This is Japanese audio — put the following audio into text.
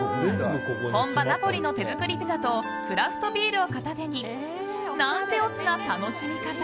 本場ナポリの手作りピザとクラフトビールを片手になんて乙な楽しみ方。